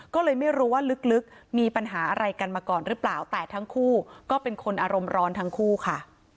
ก็เลยไม่รู้ว่าลึกมีปัญหาอะไรกันมาก่อนหรือเปล่าแต่ทั้งคู่ก็เป็นคนอารมณ์ร้อนทั้งคู่ค่ะ